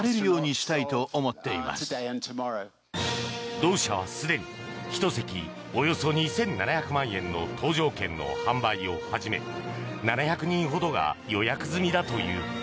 同社はすでに１席およそ２７００万円の搭乗券の販売を始め７００人ほどが予約済みだという。